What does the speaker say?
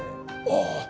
ああ。